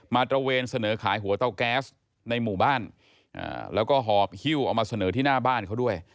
ตระเวนเสนอขายหัวเตาแก๊สในหมู่บ้านแล้วก็หอบฮิ้วเอามาเสนอที่หน้าบ้านเขาด้วย